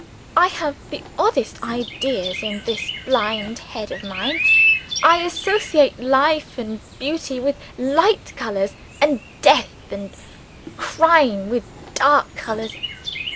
I have the oddest ideas in this blind head of mine. I associate life and beauty with light colors, and death and crime with dark colors.